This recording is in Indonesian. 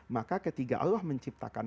maka ketika allah menciptakan